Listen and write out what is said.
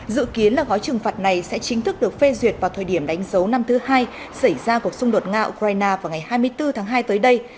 dự kiến là gói trừng phạt này sẽ chính thức được phê duyệt vào thời điểm đánh dấu năm thứ hai xảy ra cuộc xung đột nga ukraine vào ngày hai mươi bốn tháng hai tới đây